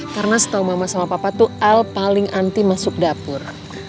karena setau mama sama papa tuh el paling anti masuk dapur